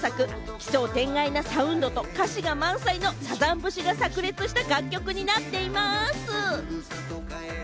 奇想天外なサウンドと歌詞が満載のサザン節がさく裂した楽曲になっています。